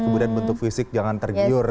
kemudian bentuk fisik jangan tergiur